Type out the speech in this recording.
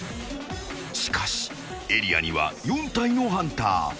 しかし、エリアには４体のハンター。